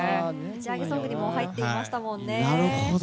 ぶちアゲソングにも入ってましたもんね。